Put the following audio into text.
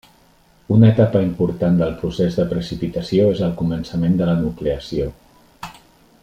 Una etapa important del procés de precipitació és el començament de la nucleació.